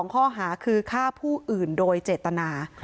ข้อหาคือฆ่าผู้อื่นโดยเจตนา